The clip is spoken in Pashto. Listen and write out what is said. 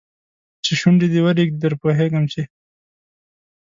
چې شونډي دې ورېږدي در پوهېږم چې